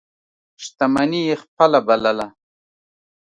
شتمني یې خپله بلله.